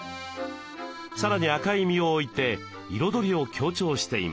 さらに赤い実を置いて彩りを強調しています。